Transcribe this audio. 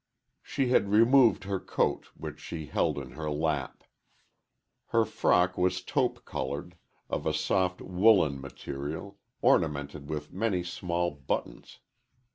She had removed her coat, which she held in her lap. Her frock was taupe colored, of a soft woolen material, ornamented with many small buttons.